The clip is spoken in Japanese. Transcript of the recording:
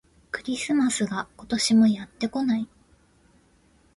クリスマスが、今年もやってこない